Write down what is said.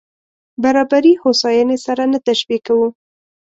برابري هوساينې سره نه تشبیه کوو.